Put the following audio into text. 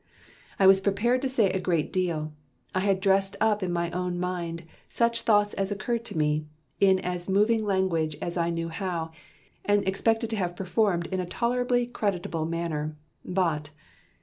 "I was prepared to say a great deal. I had dressed up in my own mind, such thoughts as occurred to me, in as moving language as I knew how, and expected to have performed in a tolerably creditable manner. But